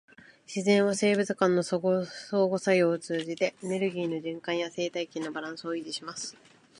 自然は生物間の相互作用を通じて、エネルギーの循環や生態系のバランスを維持します。